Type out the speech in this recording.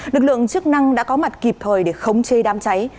lực lượng chức năng đã có mặt kịp thời để khống chê đám cháy